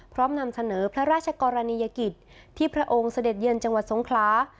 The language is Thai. นำเสนอพระราชกรณียกิจที่พระองค์เสด็จเยือนจังหวัดสงคลา